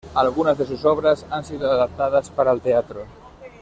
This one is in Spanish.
Algunas de sus obras han sido adaptadas para el teatro.